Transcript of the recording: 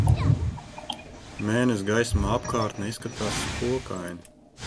Mēness gaismā apkārtne izskatās spokaina.